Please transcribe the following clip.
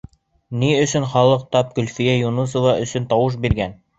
Ни өсөн халыҡ тап Гөлфиә Юнысова өсөн тауыш биргән?